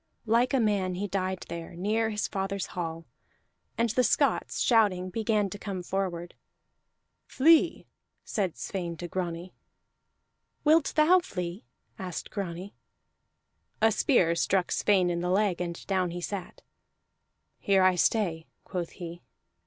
Like a man he died there, near his father's hall; and the Scots, shouting, began to come forward. "Flee!" said Sweyn to Grani. "Wilt thou flee?" asked Grani. A spear struck Sweyn in the leg, and down he sat. "Here I stay," quoth he.